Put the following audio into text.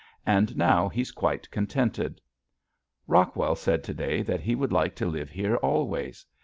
And now he's quite contented. Rockwell said to day that he would like to live here always.